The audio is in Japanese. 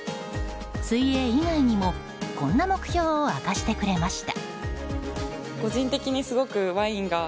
水泳以外にもこんな目標を明かしてくれました。